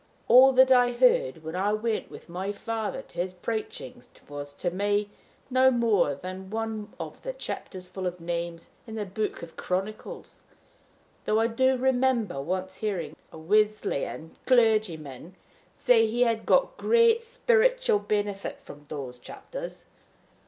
All that I heard when I went with my father to his preachings was to me no more than one of the chapters full of names in the Book of Chronicles though I do remember once hearing a Wesleyan clergyman say that he had got great spiritual benefit from those chapters.